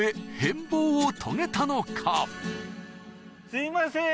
すいません。